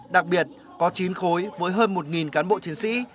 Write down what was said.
đặc biệt có chín khối với hơn một cán bộ chiến sĩ